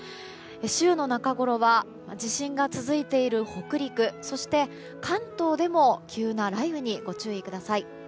週の中ごろは地震が続いている北陸そして関東でも急な雷雨にご注意ください。